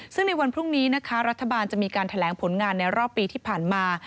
ซึ่งในวันพรุ่งนี้นะคะรัฐบาลจะมีการแถลงผลงานในรอบปีที่ผ่านมา